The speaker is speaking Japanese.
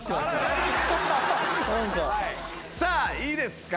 さあいいですか？